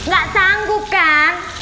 gak sanggup kan